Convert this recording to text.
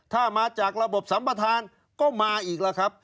ถ้ามาจากระบบสัมประธานก็มาอีกแล้วครับ